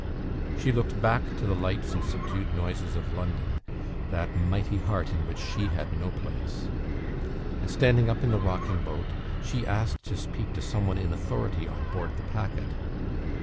She looked back to the lights and subdued noises of London that "Mighty Heart" in which she had no place and, standing up in the rocking boat, she asked to speak to some one in authority on board the packet.